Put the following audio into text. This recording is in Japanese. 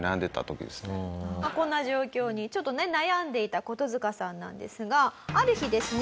こんな状況にちょっとね悩んでいたコトヅカさんなんですがある日ですね